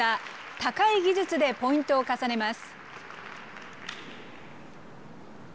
高い技術でポイントを重ねます。